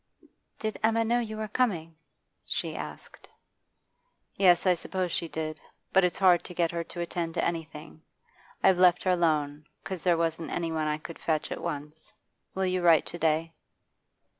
'Did Emma know you were coming?' she asked. 'Yes, I suppose she did. But it's hard to get her to attend to anything. I've left her alone, 'cause there wasn't any one I could fetch at once. Will you write to day?